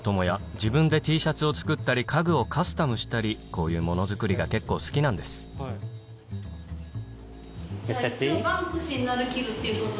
自分でＴシャツを作ったり家具をカスタムしたりこういう物づくりが結構好きなんですやっちゃっていい？